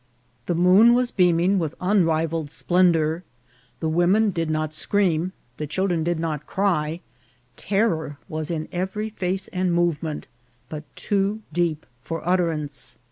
The moon was beaming with unrivalled splendour ; the women did not scream, the children did not cry ; ter ror was in every face and movement, but too deep for utterance.